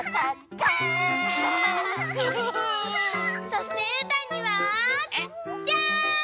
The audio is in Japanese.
そしてうーたんにはじゃん！